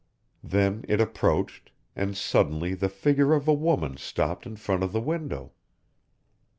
Then it approached, and suddenly the figure of a woman stopped in front of the window.